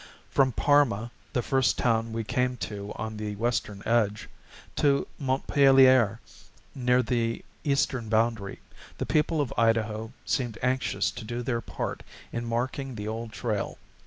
From Parma, the first town we came to on the western edge, to Montpelier, near the eastern boundary, the people of Idaho seemed anxious to do their part in marking the old trail.